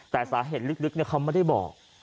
แต่สาเหตุลึกเขาไม่ได้บอก